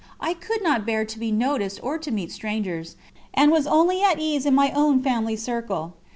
I could not bear to be noticed or to meet strangers, and was only at ease in my own family circle.